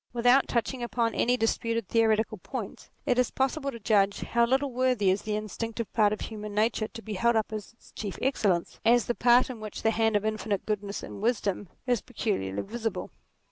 Without touching upon any disputed theoretical points, it is possible to judge how little worthy is the instinctive part of human nature to be held up as its chief excellence as the part in which the hand of infinite goodness and wisdom is 46 NATURE peculiarly visible.